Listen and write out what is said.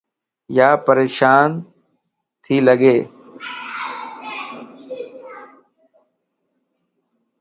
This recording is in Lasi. يا پريشان تي لڳ